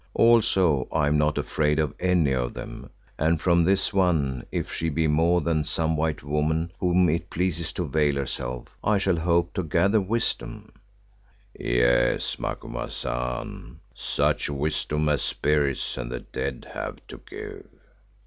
Also I am not afraid of any of them, and from this one, if she be more than some white woman whom it pleases to veil herself, I shall hope to gather wisdom." "Yes, Macumazahn, such wisdom as Spirits and the dead have to give."